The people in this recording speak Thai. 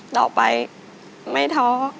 ต่อไปไม่ท้อ